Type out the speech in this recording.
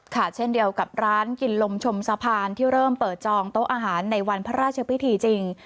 เช่นเดียวกับร้านกินลมชมสะพานที่เริ่มเปิดจองโต๊ะอาหารในวันพระราชพิธีจริง